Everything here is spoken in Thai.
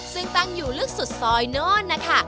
ซึ่งตั้งอยู่ลึกสุดซอยโน่นนะคะ